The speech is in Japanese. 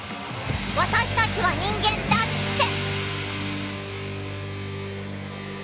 「私たちは人間だ」って。